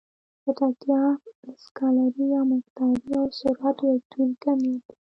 چټکتیا سکالري يا مقداري او سرعت وکتوري کميت دی.